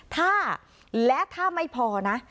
ถ้าและถ้าไม่พอนะ